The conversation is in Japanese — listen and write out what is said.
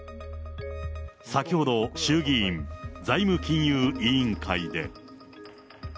先ほど、衆議院財務金融委員会で。